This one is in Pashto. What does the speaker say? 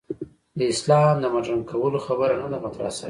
د اسلام د مډرن کولو خبره نه ده مطرح شوې.